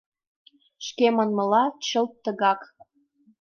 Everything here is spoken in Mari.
— Шке манмыла, чылт тыгак.